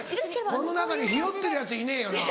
「この中にひよってるヤツいねえよな」。